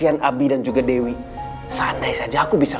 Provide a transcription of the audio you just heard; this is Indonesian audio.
apapun yang kamu telah sahamikan pada anda saja